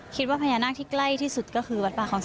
คิดว่าพญานาคที่ใกล้ที่สุดก็คือวัดป่าคลอง๔